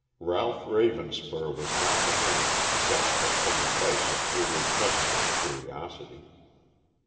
Ralph Ravenspur was not the man to possess the petty vice of irrepressible curiosity.